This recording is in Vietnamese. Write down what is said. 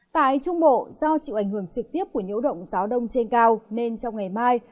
tại trung bộ do chịu ảnh hưởng trực tiếp của nhiễu động gió đông trên cao nên trong ngày mai